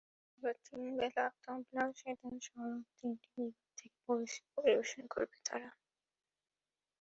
এবার তিন দিনে তবলা, সেতার, সরোদ—তিনটি বিভাগ থেকে পরিবেশন করবে তারা।